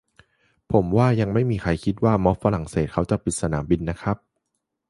ผมว่ายังไม่มีใครคิดว่าม็อบฝรั่งเศสเขาจะปิดสนามบินนะครับ